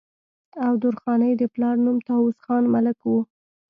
او د درخانۍ د پلار نوم طاوس خان ملک وو